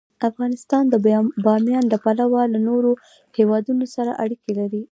افغانستان د بامیان له پلوه له نورو هېوادونو سره اړیکې لري.